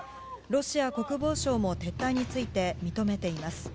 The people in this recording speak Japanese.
ロシア国防省も撤退について認めています。